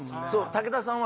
武田さんは